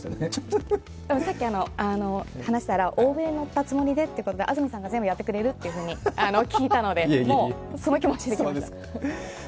さっき話したら、大船に乗ったつもりでということで安住さんが全部やってくれると聞いたので、もうその気持ちで来ました。